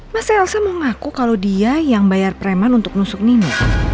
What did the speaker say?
masa elsa mau ngaku kalau dia yang bayar preman untuk nusuk nino